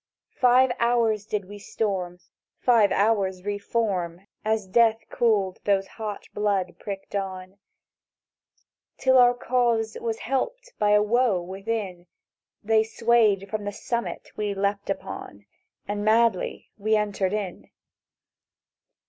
"Five hours did we storm, five hours re form, As Death cooled those hot blood pricked on; Till our cause was helped by a woe within: They swayed from the summit we'd leapt upon, And madly we entered in.